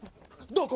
どこ？